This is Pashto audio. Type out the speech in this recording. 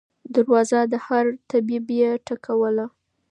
دروازه د هر طبیب یې ټکوله